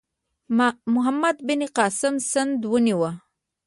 محمد بن قاسم سند ونیو.